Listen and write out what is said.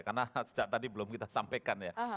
karena sejak tadi belum kita sampaikan ya